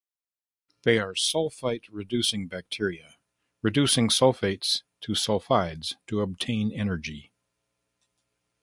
They are sulfate-reducing bacteria, reducing sulfates to sulfides to obtain energy.